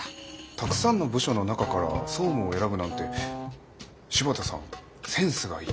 たくさんの部署の中から総務を選ぶなんて柴田さんセンスがいい。